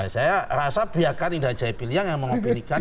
saya rasa biarkan indra jaya piliang yang memilihkan